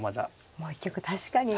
もう一局確かに。